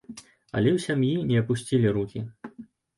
Але ў сям'і не апусцілі рукі.